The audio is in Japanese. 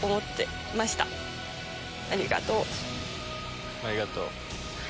ありがとう。